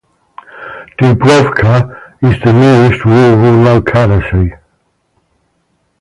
Dubrovka is the nearest rural locality.